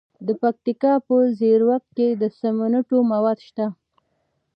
د پکتیکا په زیروک کې د سمنټو مواد شته.